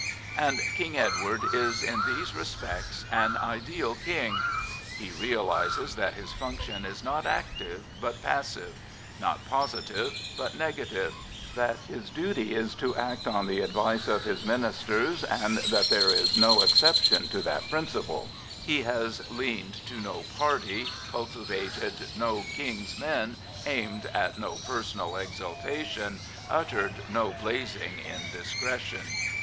And King Edward is in these respects an ideal King. Prophets, Priests, and Kings He realises that his function is not active, but passive; not positive, but negative — that his duty is to act on the advice of his ministers and that there is no excep tion to that principle. He has leaned to no party, cultivated no " King's men," aimed at no personal exaltation, uttered no " blazing indiscretion."